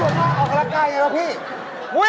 ตอนตำรวจมาออกกำลังกลายยังไงพี่